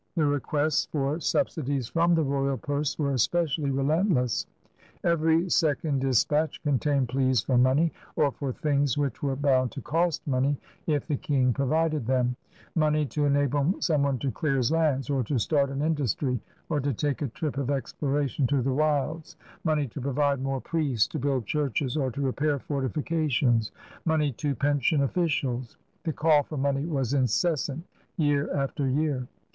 The requests for subsidies from the royal purse were especially relentless. Every second dispatch contained pleas for money or for things which were bound to cost money if the King provided them: money to enable some one to clear his lands, or to start an industry, or to take a trip of exploration to the wilds; money to provide more priests, to build churches, or to repair fortifi 72 CRUSADERS OF NEW FRANCE cations; money to pension officials — the call for money was incessant year after year.